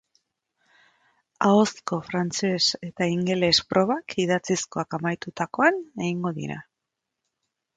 Ahozko frantses eta ingeles probak idatzizkoak amaitutakoan egingo dira.